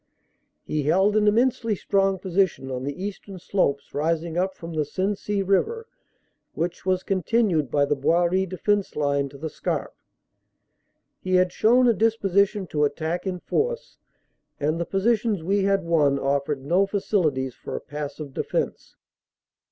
He held an immensely strong posi tion on the eastern slopes rising up from the Sensee river which was continued by the Boiry defense line to the Scarpe. He had shown a disposition to attack in force and the positions we had won offered no facilities for a passive defense.